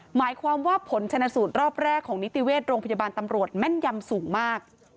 หมายความว่าผลชนะสูตรรอบแรกของนิติเวชโรงพยาบาลตำรวจแม่นยำสูงมาก